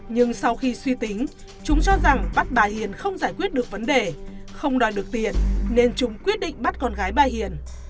nhưng sau khi suy tính chúng cho rằng bắt bà hiền không giải quyết được vấn đề không đòi được tiền nên chúng quyết định bắt con gái bà hiền